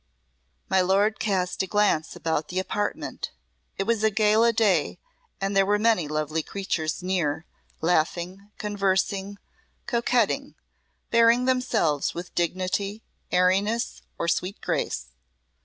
My lord cast a glance about the apartment. It was a gala day and there were many lovely creatures near, laughing, conversing, coquetting, bearing themselves with dignity, airiness, or sweet grace.